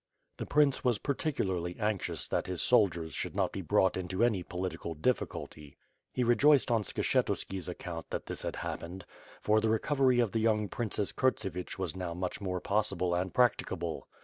The prince was particularly anxious that his soldiers should not be brought into any political difficulty. He rejoiced on Skshetuski's account that this had happened, for the re covery of the young Princess Kurtsevich was now much more possible and practicable.